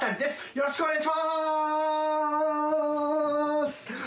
よろしくお願いします。